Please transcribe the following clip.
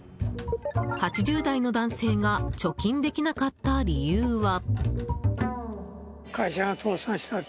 ８０代の男性が貯金できなかった理由は。